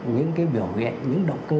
những biểu hiện những động cơ